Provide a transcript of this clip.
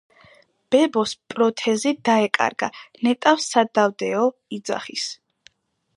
ბებოს პროთეზი დაეკარგა. ნეტავ სად დავდეო? - იძახის.